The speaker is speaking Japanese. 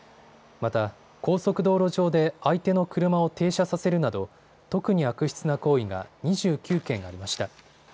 また高速道路上で相手の車を停車させるなど特に悪質な行為が２９件ありました。